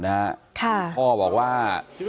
ท่อน้องพ่อบอกว่า